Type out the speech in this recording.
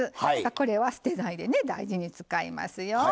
これは捨てないで大事に使いますよ。